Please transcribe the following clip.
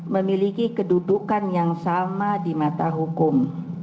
memiliki kedudukan yang sama di mata hukum